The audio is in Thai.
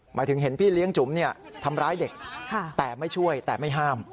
หมายถึงเห็นพี่เลี้ยงจุ๋มทำร้ายเด็กแต่ไม่ช่วยแต่ไม่ห้าม